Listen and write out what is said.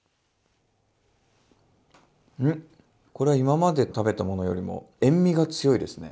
うんこれは今まで食べたものよりも塩味が強いですね。